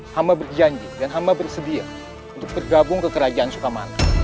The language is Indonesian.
hamba berjanji dan hamba bersedia untuk bergabung ke kerajaan sukamana